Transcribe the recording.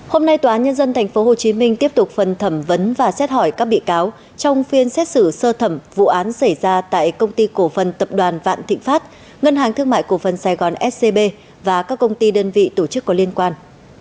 hôm nay tòa án nhân dân tp hcm tiếp tục phần thẩm vấn và xét hỏi các bị cáo trong phiên xét xử sơ thẩm vụ án xảy ra tại công ty cổ phần tập đoàn vạn thịnh pháp ngân hàng thương mại cổ phần sài gòn scb và các công ty đơn vị tổ chức có liên quan